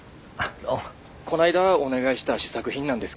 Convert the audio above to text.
こないだお願いした試作品なんですけどね